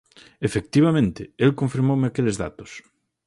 Efectivamente, el confirmoume aqueles datos.